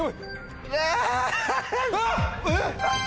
えっ？